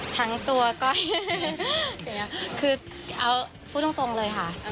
ทั้งตัวก้อยคือเอาพูดตรงเลยค่ะ